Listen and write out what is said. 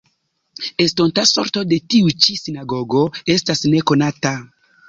Estonta sorto de tiu ĉi sinagogo estas nekonata.